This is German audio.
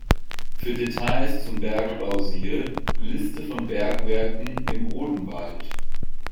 Für Details zum Bergbau, siehe: Liste von Bergwerken im Odenwald.